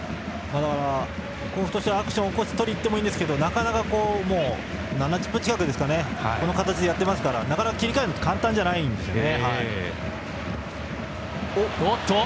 甲府としてはアクションを起こしてとりに行ってもいいんですが７０分近くこの形でやっていますから切り替えるのは簡単じゃないんですよね。